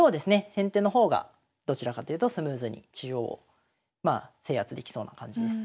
先手の方がどちらかというとスムーズに中央を制圧できそうな感じです。